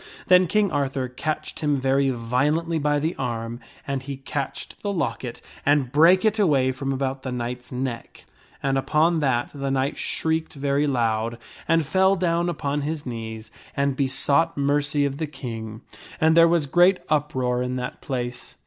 Then King Arthur catched him very violently by the arm, an he catched the locket and brake it away from about the knight's neck, and 3 o6 THE STORY OF SIR GAWAINE upon that the knight shrieked very loud, and fell down upon his knees and besought mercy of the King, and there was great uproar in that place.